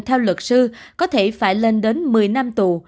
theo luật sư có thể phải lên đến một mươi năm tù